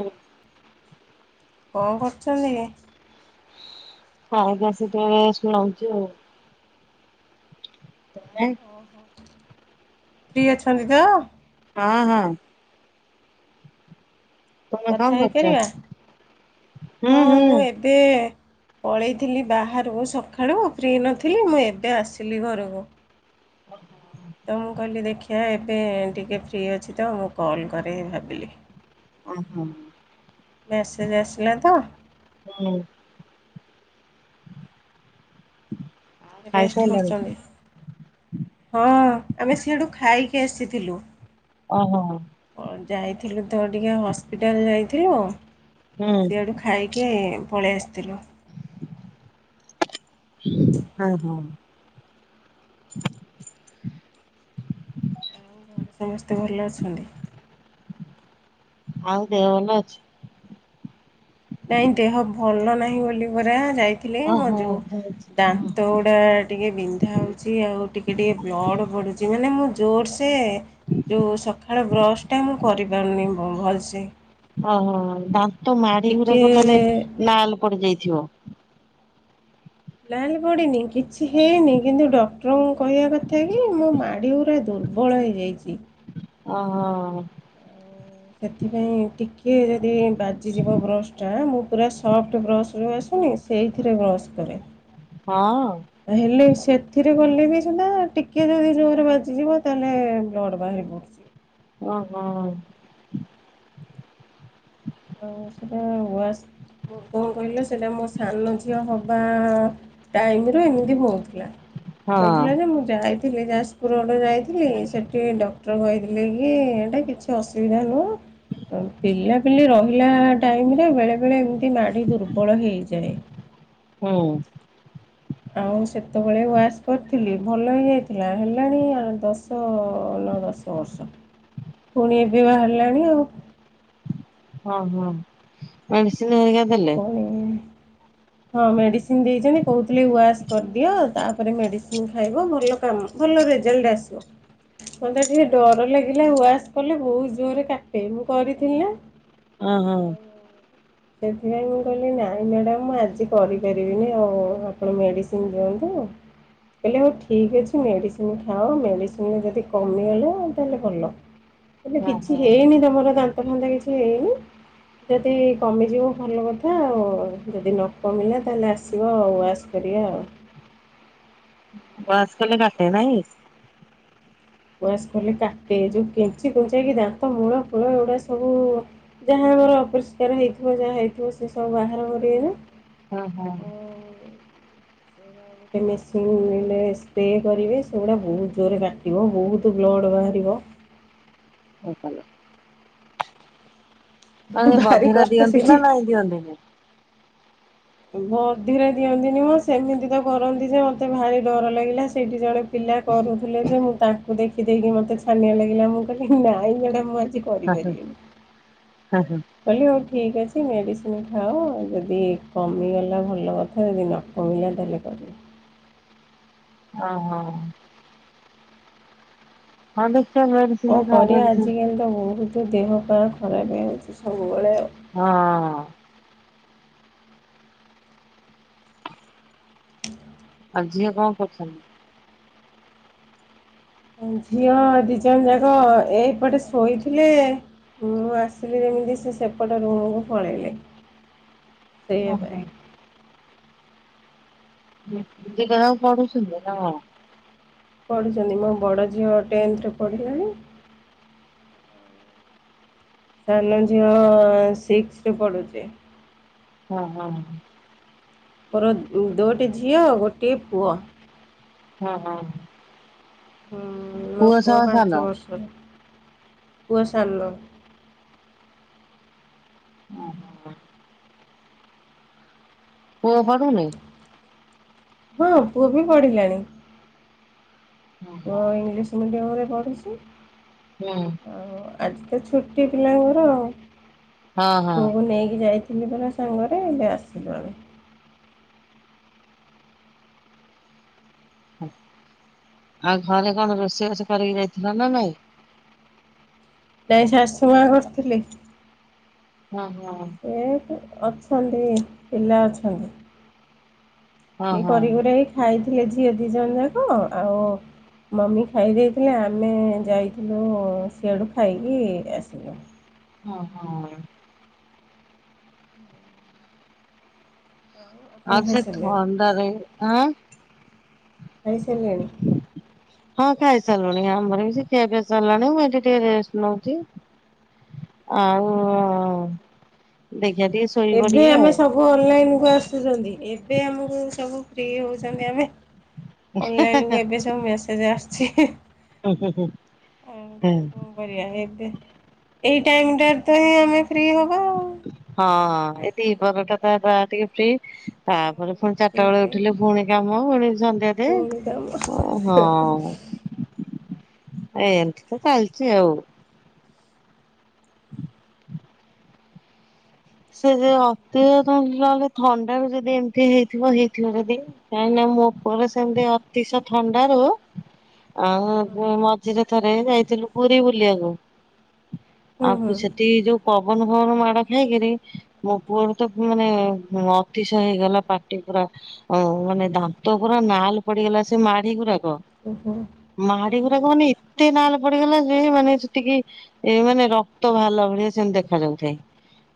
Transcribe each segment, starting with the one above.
ହୋ। କଣ କରୁଛନ୍ତି କି? ହଁ ବସିକି ରେଷ୍ଟ ନଉଚି ଆଉ। ତମେ? ଓହୋ ଫି ଅଛନ୍ତି ତ। ହଁ ହଁ। ତମେ କଣ କଥା କରୁଛ? ହେଇପାରିବା ହୁଁ ହଁ ମୁଁ ହୁଁ। ଏବେ ପଳେଇଥିଲି ବାହାରକୁ ସକାଳୁ ଫ୍ରି ନଥିଲି ମୁଁ ଏବେ ଆସିଲି ଘରକୁ। ତ ମୁଁ କହିଲି ଦେଖିବା ଏବେ ଆଉ ଟିକେ ଫ୍ରି ଅଛି ତ ମୁଁ କଲ୍ କରେ ଭାବିଲି। ଓ ହୋ। ମେସେଜ୍ ଆସିଲା ତ। ହୁଁ। ରେଷ୍ଟ ଖାଇସାରିଲଣି? କରୁଚନ୍ତି। ହଁ ଆମେ ସିଆଡୁ ଖାଇକି ଆସିଥିଲୁ। ଓ ହୋ ହୋ। ଯାଇଥିଲୁ ତ ଟିକେ ହସ୍ପିଟାଲ ଯାଇଥିଲୁ ହୁଁ। ସିଆଡୁ ଖାଇକି। ପଳେଇ ଆସିଥିଲୁ। ହଉ ହୁଁ। ଆଉ ଘରେ ସମସ୍ତେ ଭଲ ଅଛନ୍ତି। ଆଉ ଦେହ ଭଲ ଅଛି। ନାଇଁ ଦେହ ଭଲ ନାହିଁ ବୋଲି ପରା ଯାଇ। ଥିଲି ମୋ ଓହୋ ଯୋଉ ଦାନ୍ତ ଗୁଡା ଟିକେ। ବିନ୍ଧା ହଉଛି ଆଉ ଟିକେ ଟିକେ ବ୍ଲଡ଼୍ ପଡ଼ୁଛି ମାନେ ମୁଁ ଜୋରସେ। ଯୋଉ ସକାଳେ ବ୍ରଶ ଟା ମୁଁ କରିପାରୁନି ଭଲସେ। ଓହୋ ଦାନ୍ତ ମାଡି ଟିକେ ଗୁଡାକ ତାହେଲେ ଲାଲ ପଡିଯାଇଥିବ। ଲାଲ ପଡନି କିଛି ହେଇନି କିନ୍ତୁ ଡକ୍ଟରଙ୍କୁ କହିବା କଥା କି ମୋ ମାଡିଗୁରା ଦୁର। ଦୁର୍ବଳ ହେଇବଯାଇଛି। ଓହୋ। ସେଥିପାଇଁ ଟିକିଏ ଯଦି ବାଜିଯିବ ବ୍ରସ୍ଟା ମୁଁ ପୁରା ସଫ୍ଟ ବ୍ରସ୍ର ରୁ। ସେଇଥିରେ ବସ୍ କରେ। ହଁ। ହେଲେ ସେଥିରେ କଲେ ବି ସୁଧା ଟିକେ ଯଦି ଜୋର ବାଜିଯିବ ତାହେଲେ ବ୍ଲଡ଼୍ ବାହାରି ପଡ଼ୁଛି। ହଁ ଓ ସେଟା ୱା ସ। କଣ କହିଲ ସେଇଟା ମୋ ସାନ ଝିଅ ହବା ଟାଇମ ର ଏମିତି ହଉଥିଲା। ହଁ ହଉଥିଲା ଯେ ମୁଁ। ଯାଇଥିଲି ଯାଜପୁର ଆଡେ ଯାଇଥିଲି ସେଠି ଡକ୍ଟର କହିଥିଲେ କି ଏଇଟା କିଛି ଅସୁବିଧା। ନୁହ ପିଲାପିଲି ର ହିଲା ଟାଇମରେ ବେଳେ ବଳେ ଏମିତି ମାଢି ଦୁର୍ବଳ ହେଇଯାଏ। ହୁଁ। ମୁଁ ସେତେବେଳେ ୱାସ୍ କରିଥିଲି ଭଲ ହେଇଯାଇଥିଲା ହେଲାଣି ଦଶ ନ ଦଶ। ବର୍ଷ ପୁଣି ଏବେ ବାହାରିଲାଣି ଆଉ। ହଁ ହଁ ମେଡିସିନ୍ ହରିକା। କାଇଁ। ହଁ ମେଡିସିନ ଦେଇଛନ୍ତି କହୁଥିଲେ ୱାସ କରିଦିଅ ତାପରେ ମେଡିସିନ ଖାଇବ ଭଲ କାମ। ଭଲ ରେଜଲ୍ଟ ଆସିବ। ମତେ ଟିକେ ଡର ଲାଗିଲା ୱାସ କଲେ ବହୁତ ଜୋରରେ କାଟେ ମୁଁ କରିଥିଲି ନା। ଅ ହ। ସେଥିପାଇଁ ମୁଁ କହିଲି ନାଇଁ ମ୍ୟାଡ଼ାମ ମୁ ଆଜି କରି ପାରିବିନି ଆଉ ଆପଣ ମେଡିସିନ ଦିଅନ୍ତୁ। ହ କହିଲେ ହଉ ଠିକ୍ ଅଛି ମେଡିସିନ ଖାଅ ମେଡିସିନ ରେ ଯଦି କମିଗଲେ ତାହେଲେ ଭଲ। ଏଲେ ଓହୋ କିଛି ହେଇନି ତମର ଦାନ୍ତ ଫାନ୍ତ କିଛି ହେଇନି ଯଦି। କମିଯିବ ଭଲ କଥା ଆଉ ଯଦି ନ କମିଲା ତାହେଲେ ଆସିବ ୱାସ କରିବା ଆଉ। ୱାସ୍ କେଲେ କାଟେ ନାହିଁ। ବ୍ରସ କଲେ କାଟେ ଯୋଉ କେଞ୍ଚି କୁଞ୍ଚେଇକି ଦାନ୍ତ ମୂଳ ଫୂଳ ଏଗୁଡା ସବୁ। ଯାହା ଆମର ଅପରିଷ୍କାର ହେଇଥିବ ଯାହା ହେଇଥିବ ସେ ସବୁ ବାହାର କରିବେ ବା। ହଁ ହଁ। ସେ ଗୋଟେ ମେସିନ ସ୍ପ୍ରେ କରିବେ ସେଗୁଡା ବହୁତ ଜୋରରେ କାଟିବ ବହୁତ୍ ବ୍ଳ ଡ ବାହାରିବ। [inaudible] ନାଇ ଭାରି ବଧିରା କଷ୍ଟ ଦିଅନ୍ତି ସେଠି ନା ନାଇଁ ଦିଅନ୍ତି ନି। ବଧୀରେ ଦିଅନ୍ତିନି ମ ସେମିତି ତ କରନ୍ତି ଯେ ମତେ ଭାରି ଡର ଲାଗିଲା ସେଇଠି ଜଣେ ପି ପିଲା କରୁଥିଲେ ଯେ ମୁଁ ତାଙ୍କୁ ଦେଖିଦେଇକି ମତେ ଛାନିଆ ଲାଗିଲା ମୁଁ କହିଲି ନାଇଁ ମ୍ୟାଡ଼ାମ ମୁଁ ଆଜି କରିପାରିବିନି। କଉଲି ହଉ ଠିକ ଅଛି। ମେଡିସିନି ଖାଅ ଯଦି କମିଗଲା ଭଲ କଥା ଯଦି ନ କମିଲା ତାହେଲେ କରିବା। ଓ ହୋ। ହଁ ଦେ କ କରିବା ଆଜିକାଲି ତ ବହୁତ ଦେହ ପା ଖରାପ ହଉଚି ସବୁବେଳେ। ହଁ। ଆଉ ଝିଅ କଣ କରୁଚନ୍ତି? ଝିଅ ଦିଜଣ ଯାକ ଏଇପଟେ ଶୋଇଥିଲେ। ମୁଁ ଆସିଲି ଯେମିତି ସେ ସେପଟ ରୁମକୁ ପଳେଇଲେ। ଓ ଶୋଇବା ପାଇଁ। ହୋ। ଦି ଟା ଯାକ ପଡ଼ୁଛନ୍ତି ନା କଣ? ପଢ଼ୁଚନ୍ତି ମୋ ବଡ଼ ଝିଅ ଟେନ୍ଥରେ ପଢିଲାଣି। ସାନ ଝିଅ ସିକସ୍ ରେ ପଢୁଚି। ହଁ ହଁ। ପର ଦୋଟି ଝିଅ ଗୋଟିଏ ପୁଅ। ହଁ ହଁ। ହୁଁ ମୋ ପୁଅ ସବା ସାନ? ପାଞ୍ଚ ବର୍ଷର। ପୁଅ ସାନ। ପୁଅ ପଢ଼ୁନି? ହଁ ପୁଅ ବି ପ। ହୁଁ ପୁଅ ହଁ ଇଂଲିଶ ମିଡିୟମ ରେ ପଢୁଛି। ହୁଁ। ଆଜି ତ ଛୁଟି ପିଲାଙ୍କର ପୁଅକୁ ଆଉ ନେଇକି ଯାଇ ଥିଲିପରା ସାଙ୍ଗରେ ଏବେ ଆସିଲୁ ଆମେ। ଆଉ ଘରେ କଣ ରୋଷେଇ ବାସ କରିକି ଯାଇଥିଲ ନା ନାଇଁ? ନାଇଁ ଶାଶୁ ମା କରିଥିଲେ। ହଁ ହଁ ସେ ଅଛନ୍ତି ପିଲା ଅଛନ୍ତି। ସିଏ ହଁ କରିକୁରାକି ଖାଇଥିଲେ ଝିଅ ଦିଜଣ ଯାକ ଆଉ ମମି ଖାଇ ଦେଇଥିଲେ ଆମେ ଯାଇଥିଲୁ ସିଆଡ଼ୁ ଖାଇକି ଆସିଲୁ। ହଁ ହଁ। ଆଉ ଆପଣ ଆଉ ସେ ଖାଇସାରିଲେଣି ଥଣ୍ତା ରହି ଆଁ। ଖାଇସରିଲେଣି? ହଁ ଖାଇସାରିଲୁଣି ଆମର ବି ସେଇ ଖିଆ ପିଆ ସରିଲାଣି ମୁଁ ଏଠି ଟିକେ ରେଷ୍ଟ୍ ନଉଚି। ଆଉ ଦେ ଏବେ ଆମେ ସବୁ ଅନଲାଇନ କୁ ଆସୁଚନ୍ତି। ଏବେ ଆମକୁ ସବୁ ଫ୍ରି ହଉଚନ୍ତି ଆମେ। ଅନଲାଇନକୁ ଏବେ ସବୁ ମେସେଜ ଆସୁଚି। ହୁଁ ହୁଁ ହୁଁ ହଁ କଣ କରିବା ଏବେ ଏଇ ଟାଇମ୍ ଟା ରେ ତ ହେଇ ଆମେ ଫ୍ରି ହବା ଆଉ। ହଁ ଏ ଦି ପହର ଟା ତ ଯାହା ଟିକେ ଫ୍ରି ତାପରେ ପୁଣି ଚାରଟା ବେଳେ ସେଇଥିରେ ଉଠିଲେ ପୁଣି କାମ ପୁଣି ସନ୍ଧ୍ୟା ଦେ ପୁଣି କାମ ହଁ। ଏମତି ତ ଚାଲିଚି ଆଉ। ସେ ଯଉ [unintelligible] ନ ହେଲେ ଥଣ୍ତା ରୁ ଯଦି ଏମିତି ହେଇଥିବ ହେଇଥିବ ଯଦି କାଁଇକିନା ମୋ ପରେ ସେମିତି ଅତିଶ ଥଣ୍ତା ରୁ ଆଉ ମଝିରେ ଥରେ ଯାଇଥିଲୁ ପୁରୀ ବୁଲିବାକୁ। ହଁ ହୁଁ ହୁଁ। ଆଉ ସେଠି ଯୋଉ ପବନ ଫବନ ମାଡ ଖାଇକିରି ମୋ ପୁଅ ର ମାନେ ଅ ଅତିଷ ହେଇଗଲା ପାଟି ପୁରା ମାନେ ଦାନ୍ତ ପୁରା ନାଲ ପଡିଗଲା ସେ ମାଢି ପୁରା ଓହୋ ହୁଁ ହୁଁ ମାିବରାଗ ମାନେ ତେ ନାଲ ପଡିଗଲା ଯେ ମାନେ ସେତିକି ଏ ମାନେ ରକ୍ତ ଭଲ ଭଳିଆ ସେମତି ଦେଖାଯ ଯାଉଥାଏ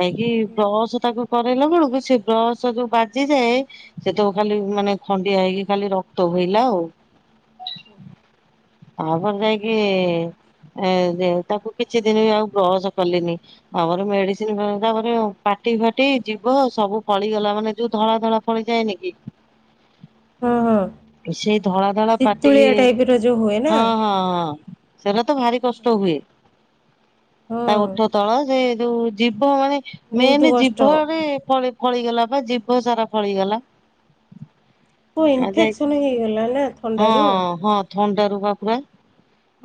ଯାଇଁକି ହୁଁ। ବ୍ରସ ତାକୁ ିଲା ବେଳକୁ ସେ ବ୍ରସ ଯୋଉ ବାଜିଯାଏ ସେ ତ ଖାଲି ମାନେ ଖଣ୍ଡିଆ ହେଇକି ଖାଲି ରକ୍ତ ହ ଆଉ ତାପରେ ଯାଇକି ଏ ତାକୁ କିଛି ଦିନ ବି ଆଉ ବ୍ରହସ କଲିନି ଆମର ମେଡିସିନ ତାପରେ ପାଟି ଫାଟି ଯିବ ସବୁ ଫଳିଗଲା ମାନେ ଯୋଉ ଧଳା ଧଳା ଫଳିଯାଏନି କି [inaudible] ହଁ ହଁ ସେଇ ଧଳା ଧଳା ପାଟିି ଶୀତୁଳିଆ ଟାଇପ ର ଯୋଉ ହୁଏ ନା। ହଁ ହଁ ହଁ ସେଟା ତ ଭାରି କଷ୍ଟ ହୁଏ ତା ହଁ ଉଠ ତଳ ସେ ଯ ଜୀଭ ମାନେ ବହୁତ ମେନ କଷ୍ଟ ଜୀଭରେ ପଳେଇ ଫଳିଗଲା ବା ଜିିବ ସାରା ଫଳିଗଲା। କଉ ଆଉ ଯାଇ ଇନଫେକ୍ସନ୍ ହେଇଗଲା ନା ଥଣ୍ଡାରୁ ଥଣ୍ଡା ରୁ ବା ପୁରା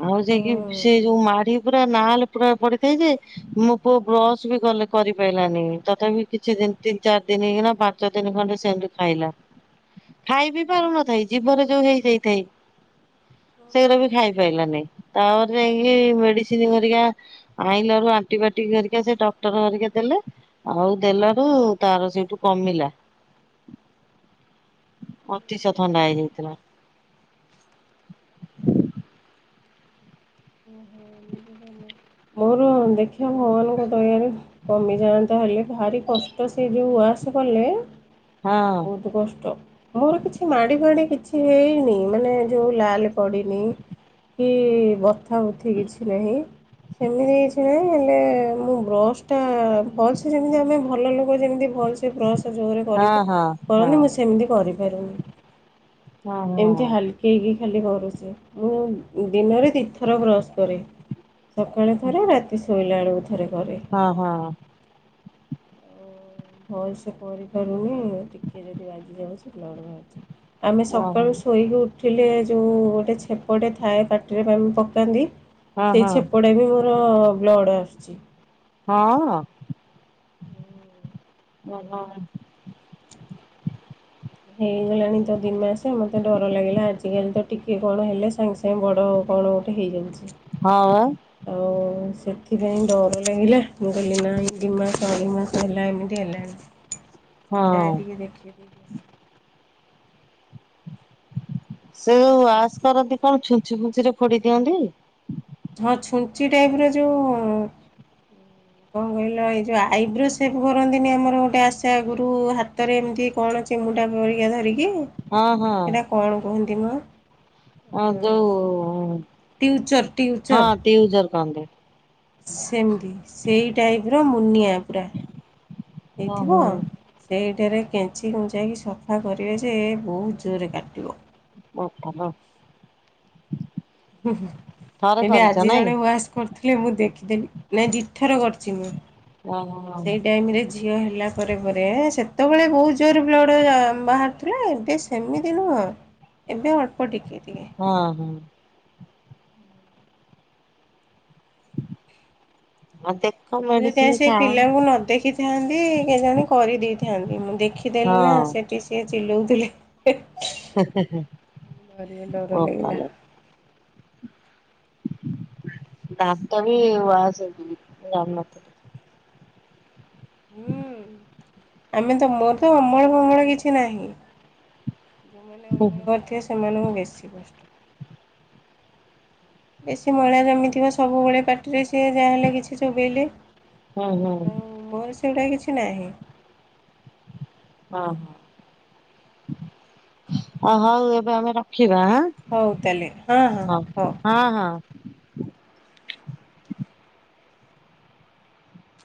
ଆଉ ଯାଇକି ହୁଁ। ସେ ଯୋଉ ମାଢ ପୁରା ନାଲେ ପ ପଡିଥାଏ ଯେ ମୋ ପୁଅ ବ୍ରଶ ବି ଗଲେ କରିପାରିଲାନି ତଥାପି କିଛି ତିି ଚାର ଦିନ ନା ପାଞ୍ଚ ଦିନ ଖଣ୍ଡେ ସେମତି ଖାଇଲା ଖାଇ ବିି ପାରୁନ ଜୀବରେ ଯୋଉ ହେଇଯାଇଥାାଇ ସେଗଡା ବି ଖାଇ ପାରଲାନି ତାପରେ ଯାଇକି ମେଡିସିନ କରିକା ଆଇିଲ ରାରୁ ଆଣ୍ଟିବାୟୋଟିକ କରିକା ସେ ଡକ୍ଟର କରିକା ଦେଲେ ଆଉ ଦେଲାରୁ ତାର ସେଇଠୁ କମିଲା। ଅତିଶ ଥଣ୍ଡା ହେଇଯାଇଥିଲା। ଓହୋ [inaudible] ଏମିତି ମୋର ଦେଖକ୍ଷା ଭଗବାନଙ୍କ ଦୟରିୀ କମିଯାଆନ୍ତା ହେଲେ ଭାରି କଷ୍ଟ ସେ ଯୋଉ ଆସ କଲେ ହଁ ବହୁତ କଷ୍ଟ ମୋର କିଛି ମାଡି ଫାଡି କିଛି କି ହେଇନି ମାନେ ଯୋଉ ଲାଲ ପଡିନି କି ଉଠ କିଛି ନାହିଁ ସେମିତି ହେଇଛି ନାଇଁ ହେଲେ ମୁଁ ବ୍ରସ୍ ଟା ଭଲସ ଯେମିତି ଆମେ ଭଲ ଲୋକ ଯେମତି ଭଲସ। ସେ ପ୍ରୟାସ ଜୋରେ ହଁ ହଁ କରନ୍ତି ମୁଁ ସେମିତି କରିପାରୁନି ହଁ ଏମିତି ହଁ ହାଲକି ହେଇକି ଖାଲି ପୁଛିେ ମୁଁ ଦିନରେ ତିର୍ଥର କ୍ରସ୍ କରେ ସକାଳେ ଥରେ ରାତି ଶୋଇଲା ବେଳକୁ ଥରେ କରେ ହଁ ହଁ ହଁ ହଁ ହଲ ସେ କରି କରୁେ ଟିକେ ଯଦି ବାଜି ଯାଉଛି୍ ବା ଆମେ ସଳୁ ଶୋଇକି ଉଠିଲେ ଯେଉ ଗୋଟେ ଛେପଟେ ଥାଏ ପାଟିରେ ପକାନ୍ତି ହଁ ସେଇ ହଁ ଛେପଡେ ବି ମୋର ବ୍ଲଡ ଆସୁଛି। ହଁ। ଓ। ହେଇଗଲାଣି ତ ଦିନ ମାସେ ମତେ ଡର ଲାଗିଲା ଆଜଜିିକାଲି ତ ଟିକେ କଣ ହେଲେ ସାଙ୍ଗେ ସାଙ୍ଗେ ବଡ଼ ହଉ [inaudible] ହଁ ସେ ପାଇଁ ରିଲ ମୁଁଗିଲ ନା ଇଡି ମାସ ଆଳି ମାସ ହେଲାା ଏମିତି ହେ ହଁ। ଯଠିକ ଦେଖି ଦେଇ କି ଅ ସେ ଯୋଉ ୱାସ କରନ୍ତି କଣ ଛୁଞ୍ଚି ଫୁଞ୍ଚି ରେ ଫୋଡି ଦିଅନ୍ତି ହଁ ଛୁଞ୍ଚି ଟାଇପ ର ଯୋଉ ହ କଣ କହିଲ ଏଇ ଯୋଉ ଆଇବ୍ରୋ ସେପ କରନ୍ତିନି ଆମର ଗୋଟେ ଆଶା ଗୁରୁ ହାତରେ ଏମିତି କଣ ଅ ମୁ କଟା ପରିକା ଧରିକି ହଁ ସେଇଟା କଣ କୁହନ୍ତି ମୁଁ ଆଦ ଟଟି୍ୟୁଚର ଟଟି୍ୟୁଚର [unintelligible] ଦେ ସେମତି ସେଇ ଟାଇପ୍ ର ମୁନିଆ ପୂରା। ହେଇଥିବ ଓହୋ। ସେଇଠାରେ କେଞ୍ଚି କୁଞ୍ଚାଇକି ସଫା କରିବେ ଯେ ବହୁତ ଜୋରେ କାଟିବ। [unintelligible] ହଁ ହଁ ଥରେ ଏଠି କରିଛ ଆଜି ନାଇଁ? ଜଣେ ୱାସ୍ କରୁଥି ଖିଲେ ମୁଁ ଦେଖିଦେଲି ନାଇଁ ଦିଥର କରିଚି ମୁଁ। ହ ସେଇ ଟାଇମ ରେ [unintelligible] ଝିଅ ହେଲା ପରେ ପରେ ସେତବେଳେ ବହୁତ ଜୋରେ ବ୍ଲଡ଼ ବାହାରୁଥିଲା ଏବେ ସେମିତି ନୁହଁ। ଏବେ ଅଳ୍ପ ଟିକେଟ୍। ହଁ ହଁ। ଆ ଦେକ୍ ମୁଁ ଯଦି ଆଜି ସେଇ ପିଲାଙ୍କୁ ନ ଦେଖିଥାନ୍ତି କେ ଜାଣି କରିଦେଇଥାନ୍ତି। ମୁଁ ଦେଖିଦେଲି ନା? ସେଠି ସିଏ ଚିଲଉଥିଲେ। ହିଁ ହିଁ ହିଁ ଡରିବ ଡର ଲାଗିଲା ବୋପାଲୋ। ଦାନ୍ତ ବି ୱାସ୍ ହବ୍ ବିଲି ମୁଁ ଜାଣି ନଥିଲି। ହୁଁ ଆମେ ତ ମୋର ତ ଅମଳ ଫମଳ କିଛି ନାହିଁ। ଯୋଉମାନେ ହୁଁ ଅମଳ ହୁଁ କରିଥିବେ ସେମାନଙ୍କୁ ବେଶୀ କଷ୍ଟ। ବେଶୀ ମଇଳା ଜମିଥିବ ସବୁବେଳେ ପାଟିରେ ସିଏ ଯାହାହେଲେ କିଛି ଚୋବେଇଲେ। ହୁଁ ହୁଁ। କି ନାହିଁ? ଅ ହ ଆ ହଉ ଏବେ ଆମେ ରଖି ଟିବା ହାଁ ହଉ ତାହେଲେ ହଁ ହଁ ହଉ ହଁ ଠିକ୍ ଅଛି। ହଁ।